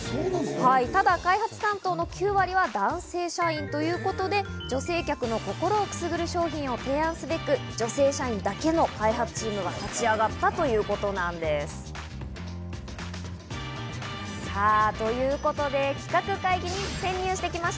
ただ、開発担当の９割は男性社員ということで、女性客の心をくすぐる商品を提案すべく、女性社員だけの開発チームが立ち上がったということなんです。ということで、企画会議に潜入してきました。